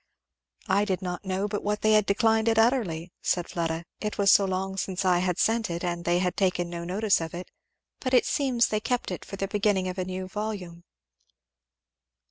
"I did not know but they had declined it utterly," said Fleda, "it was so long since I had sent it and they had taken no notice of it; but it seems they kept it for the beginning of a new volume."